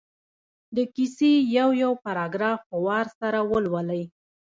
د کیسې یو یو پراګراف په وار سره ولولي.